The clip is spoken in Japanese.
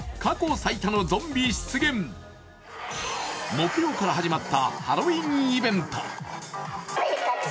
木曜日から始まったハロウィーンイベント。